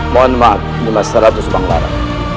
mohon maaf mas ratu subanglarak